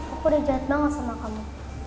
aku udah jahat banget sama kamu